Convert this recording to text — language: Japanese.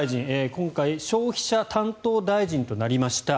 今回、消費者担当大臣となりました。